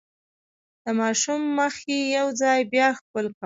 د ماشوم مخ يې يو ځل بيا ښکل کړ.